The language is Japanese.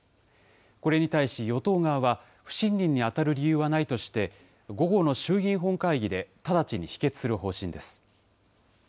これに対し与党側は、不信任に当たる理由はないとして、午後の衆議院本会議で直ちに否決する方針です。